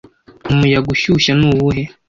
Umuyaga ushyushye ni uwuhe